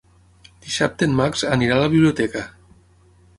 Dissabte en Max anirà a la biblioteca.